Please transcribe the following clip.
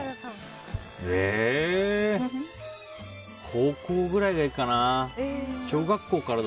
高校ぐらいがいいかな。